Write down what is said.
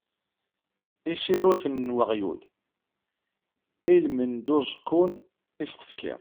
Isurifen n uɣyul almend uẓekkun i s-tefkiḍ.